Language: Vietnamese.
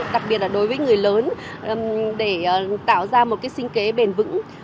đặc biệt là đối với người lớn để tạo ra một sinh kế bền vững